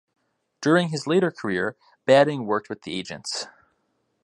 During his later career, Badding worked with the Agents.